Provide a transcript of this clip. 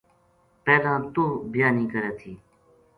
پہلاں توہ بیاہ نیہہ کرے تھی